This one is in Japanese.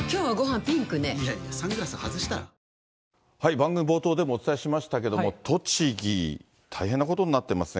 番組冒頭でもお伝えしましたけれども、栃木、大変なことになっていますね。